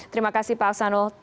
terima kasih pak asanul